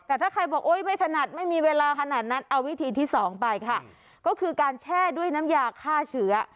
แต่ถ้าใครบอกโอ๊ยไม่ถนัดไม่มีเวลาขนาดนั้นเอาวิธีที่สองไปค่ะก็คือการแช่ด้วยน้ำยาฆ่าเชื้อ